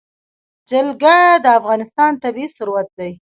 جلګه د افغانستان طبعي ثروت دی.